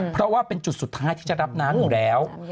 เพราะว่าเป็นจุดสุดท้ายที่จะรับน้ำอยู่แล้ว